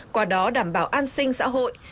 qua đó đảm bảo an sinh xã hội